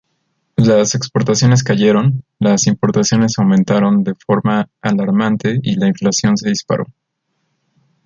Las exportaciones cayeron, las importaciones aumentaron de forma alarmante y la inflación se disparó.